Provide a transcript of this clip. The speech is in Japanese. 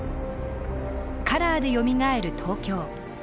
「カラーでよみがえる東京」。